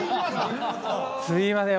すいません